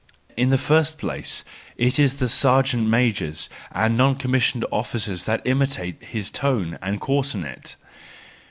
—in the first place it is the sergeant majors and non commissioned officers that imitate his tone and coarsen it.